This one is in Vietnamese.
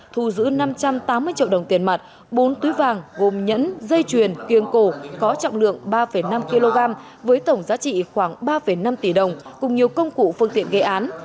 thu giữ năm trăm tám mươi triệu đồng tiền mặt bốn túi vàng gồm nhẫn dây chuyền kiên cổ có trọng lượng ba năm kg với tổng giá trị khoảng ba năm tỷ đồng cùng nhiều công cụ phương tiện gây án